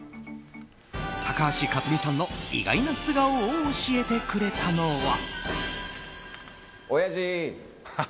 高橋克実さんの意外な素顔を教えてくれたのは。